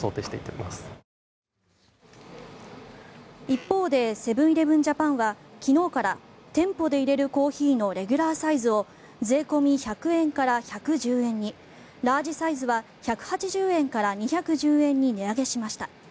一方でセブン−イレブン・ジャパンは昨日から店舗で入れるコーヒーのレギュラーサイズを税込み１００円から１１０円にラージサイズは１８０円から２１０円に値上げしました。